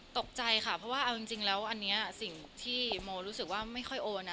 ตกใจค่ะเพราะว่าเอาจริงแล้วอันนี้สิ่งที่โมรู้สึกว่าไม่ค่อยโอนนะ